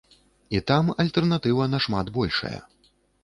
І там альтэрнатыва нашмат большая.